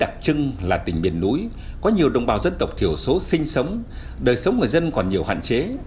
tại biển núi có nhiều đồng bào dân tộc thiểu số sinh sống đời sống người dân còn nhiều hoạn chế